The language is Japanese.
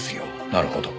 なるほど。